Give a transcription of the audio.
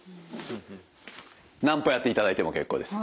何歩やっていただいても結構です。